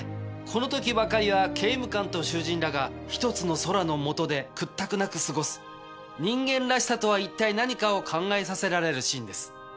この時ばかりは刑務官と囚人らが１つの空の下で屈託なく過ごす人間らしさとは一体何かを考えさせられるシーンです。